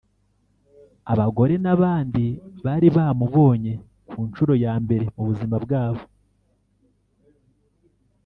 abagore n’abana bari bamubonye ku nshuro ya mbere mu buzima bwabo